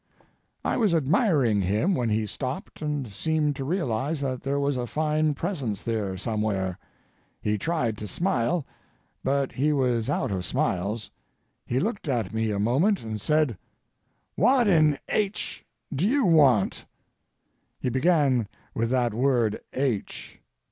I was admiring him when he stopped and seemed to realize that there was a fine presence there somewhere. He tried to smile, but he was out of smiles. He looked at me a moment, and said: "What in H— do you want?" He began with that word "H."